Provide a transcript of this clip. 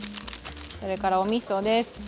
それからおみそです。